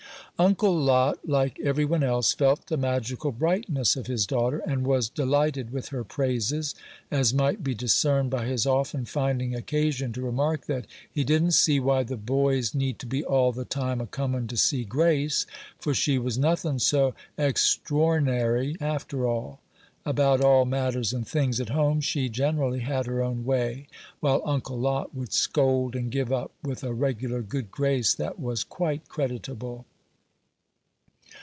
Uncle Lot, like every one else, felt the magical brightness of his daughter, and was delighted with her praises, as might be discerned by his often finding occasion to remark that "he didn't see why the boys need to be all the time a' comin' to see Grace, for she was nothing so extror'nary, after all." About all matters and things at home she generally had her own way, while Uncle Lot would scold and give up with a regular good grace that was quite creditable.